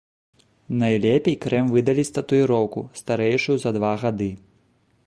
Найлепей крэм выдаліць татуіроўку, старэйшую за два гады.